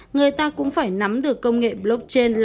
người ta cũng phải nắm được công nghệ blockchain